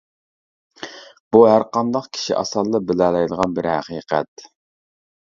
بۇ، ھەرقانداق كىشى ئاسانلا بىلەلەيدىغان بىر ھەقىقەت.